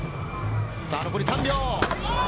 残り３秒。